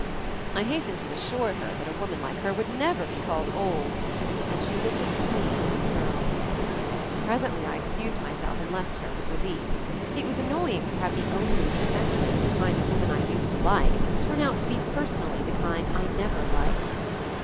I hastened to assure her that a woman like her would never be called old — and she looked as pleased as a girl. Presently I excused myself and left her, with relief. It was annoying beyond meas ure to have the only specimen of the kind of woman I used to like turn out to be person ally the kind I never liked.